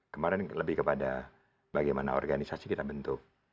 kemarin lebih kepada bagaimana organisasi kita bentuk